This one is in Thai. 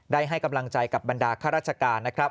ให้กำลังใจกับบรรดาข้าราชการนะครับ